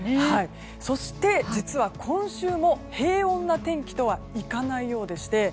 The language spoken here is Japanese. そして、実は今週も平穏な天気とはいかないようでして。